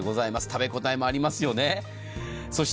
食べ応えもありますよね。